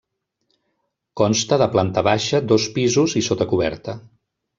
Consta de planta baixa, dos pisos i sota coberta.